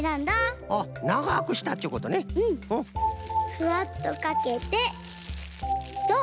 ふわっとかけてどう？